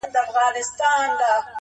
o خداى يو مالگي تروې دي!